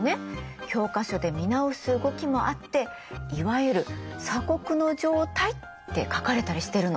教科書で見直す動きもあって「いわゆる鎖国の状態」って書かれたりしてるの。